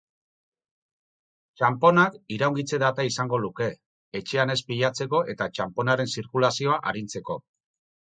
Txanponak iraungitze data izango luke, etxean ez pilatzeko eta txanponaren zirkulazioa arintzeko.